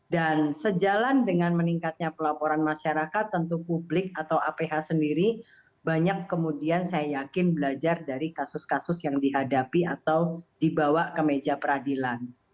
dan sejalan dengan meningkatnya pelaporan masyarakat tentu publik atau aph sendiri banyak kemudian saya yakin belajar dari kasus kasus yang dihadapi atau dibawa ke meja peradilan